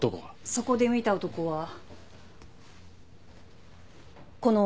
そこで見た男はこの男ですか？